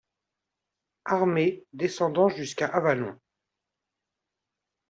Armee descendant jusqu'à Avallon.